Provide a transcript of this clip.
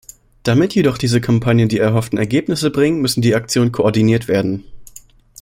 Damit jedoch diese Kampagnen die erhofften Ergebnisse bringen, müssen die Aktionen koordiniert werden.